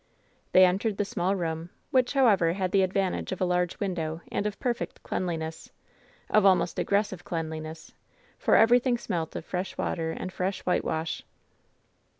They entered the small room, which, however, had the advantage of a large window and of perfect cleanli ness — of almost aggressive cleanliness — for everything smelt of fresh water and fresh whitewash.